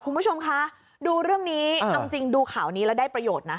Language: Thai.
คุณผู้ชมคะดูเรื่องนี้เอาจริงดูข่าวนี้แล้วได้ประโยชน์นะ